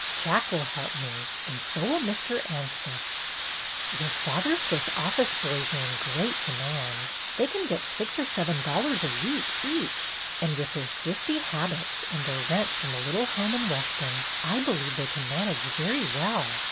Jack will help me, and so will Mr. Anstice." "Your father says office boys are in great demand. They can get six or seven dollars a week, each, and with their thrifty habits and the rent from their little home in Weston, I believe they can manage very well."